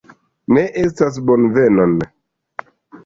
Ne estas bonvenon